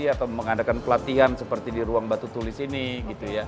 atau mengadakan pelatihan seperti di ruang batu tulis ini